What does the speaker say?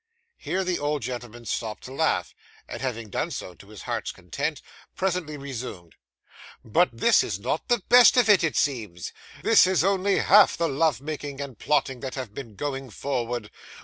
Here the old gentleman stopped to laugh; and having done so to his heart's content, presently resumed 'But this is not the best of it, it seems. This is only half the love making and plotting that have been going forward.